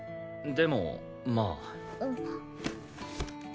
でもまあ。